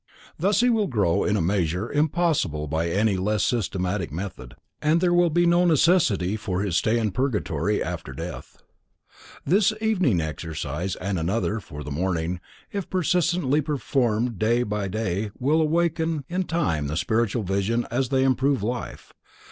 Thus he will grow in a measure impossible by any less systematic method, and there will be no necessity for his stay in purgatory after death. This evening exercise and another, for the morning, if persistently performed day by day, will in time awaken the spiritual vision as they improve life.